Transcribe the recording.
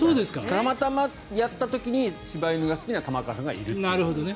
たまたまやった時に柴犬が好きな玉川さんがいるというね。